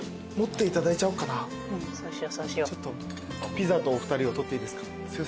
ピザとお二人を撮っていいですか？